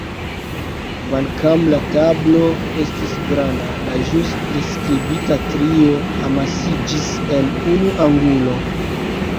Kvankam la tablo estis granda, la ĵus priskribita trio amasiĝis en unu angulo.